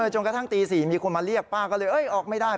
จนกระทั่งตี๔มีคนมาเรียกป้าก็เลยออกไม่ได้